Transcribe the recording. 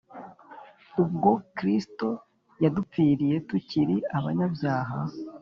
ubwo Kristo yadupfiraga tukiri abanyabyaha